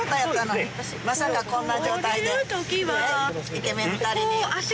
イケメン２人に。